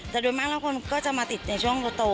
แต่โดยมากแล้วคนก็จะมาติดในช่วงโต